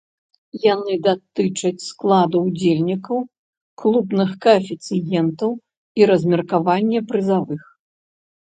Яны датычаць складу ўдзельнікаў, клубных каэфіцыентаў і размеркавання прызавых.